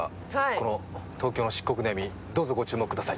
この東京の漆黒の闇どうぞご注目ください